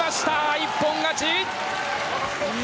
一本勝ち！